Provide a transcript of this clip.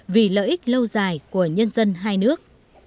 vì lợi ích lâu dài của nhân dân hai nước